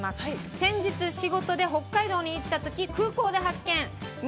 先日仕事で北海道に行った時空港で発見。